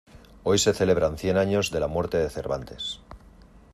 Hoy se celebran cien años de la muerte de Cervantes.